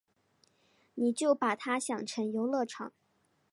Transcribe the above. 你就把他想成游乐场